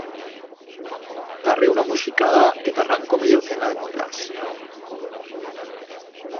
T'arreo una muixicada que t'arranco meya ucena de muelas.